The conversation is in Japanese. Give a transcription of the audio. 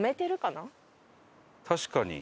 確かに。